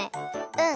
うん。